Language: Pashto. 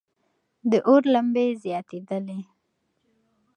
د اور لمبې زیاتېدلې.